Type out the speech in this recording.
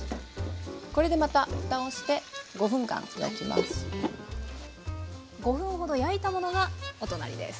これでまたふたをして５分ほど焼いたものがお隣です。